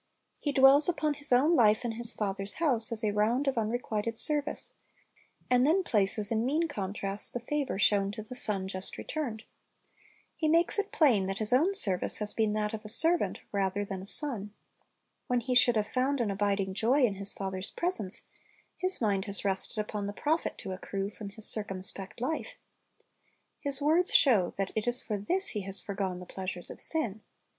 He dwells upon his own life in his father's house as a round of unrequited service, and then places in mean contrast the favor shown to the son just returned. He makes it plain that his own service has been that of a servant rather 'Cant. 2:4 l^Zech. 3:7 ^ jga. 62 : 5 ; Zeph. 3 : 17 Christ's bj c c t L c s s a ii s than a son. When he should have found an abiding joy in his father's pres ence, his mind has rested up on the profit to accrue from his c i r c u m spect hfe. His words s h o w that it is for this he has foregone the pleasures of sin.